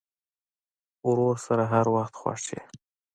ورور سره هر وخت خوښ یې.